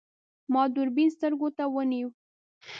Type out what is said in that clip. ما دوربین سترګو ته ونیو.